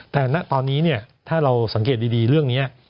แต่ณตอนนี้ถ้าเราสังเกตดีเรื่องนี้